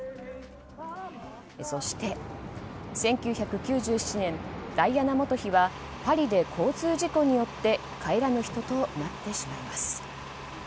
そして、１９９７年ダイアナ元妃はパリで交通事故によって帰らえぬ人となってしまいます。